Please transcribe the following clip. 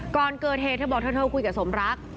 ก่อนเกิดเหตุเธอบอกเธอคุยกับสมรัก